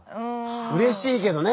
うれしいけどね。